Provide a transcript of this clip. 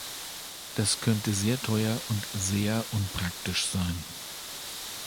Das könnte sehr teuer und sehr unpraktisch sein.